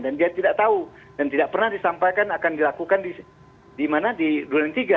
dan dia tidak tahu dan tidak pernah disampaikan akan dilakukan di mana di dua dan tiga